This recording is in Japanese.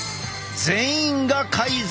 全員が改善！